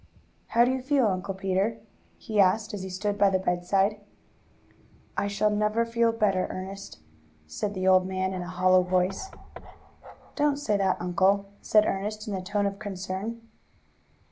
"How do you feel, Uncle Peter?" he asked as he stood by the bedside. "I shall never feel better, Ernest," said the old man in a hollow voice. "Don't say that, uncle," said Ernest in a tone of concern.